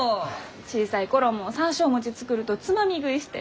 小さい頃も山椒餅作るとつまみ食いして。